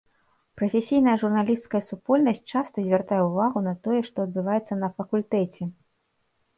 Прафесійная журналісцкая супольнасць часта звяртае ўвагу на тое, што адбываецца на факультэце.